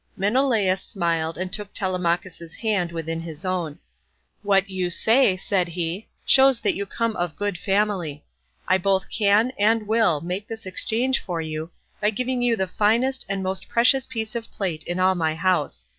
Menelaus smiled and took Telemachus's hand within his own. "What you say," said he, "shows that you come of good family. I both can, and will, make this exchange for you, by giving you the finest and most precious piece of plate in all my house.